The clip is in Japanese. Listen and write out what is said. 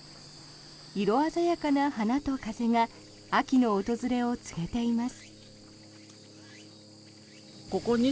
色鮮やかな花と風が秋の訪れを告げています。